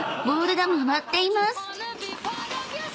［ボールが回っています］